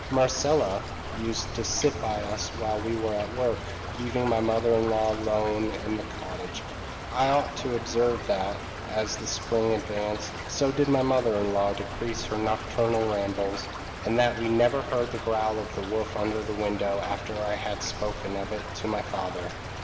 p> "Marcella used to sit by us while we were at work, leaving my mother in law alone in the cottage. I ought to observe that, as the spring advanced, so did my mother in law decrease her nocturnal rambles, and that we never heard the growl of the wolf under the window after I had spoken of it to my father.